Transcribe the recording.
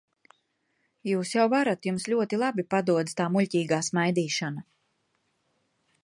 Jūs jau varat, jums ļoti labi padodas tā muļķīgā smaidīšana.